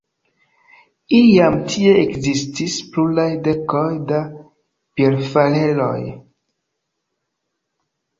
Iam tie ekzistis pluraj dekoj da bierfarejoj.